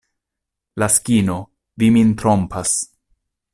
Laskino, vi min trompas.